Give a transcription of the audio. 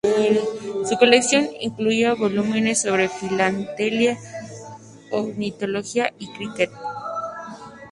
Su colección incluía volúmenes sobre filatelia, ornitología y cricket.